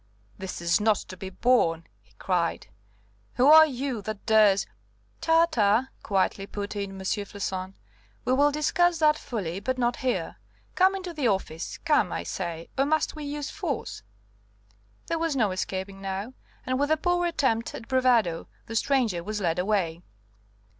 "This is not to be borne," he cried. "Who are you that dares " "Ta! ta!" quietly put in M. Floçon; "we will discuss that fully, but not here. Come into the office; come, I say, or must we use force?" There was no escaping now, and with a poor attempt at bravado the stranger was led away.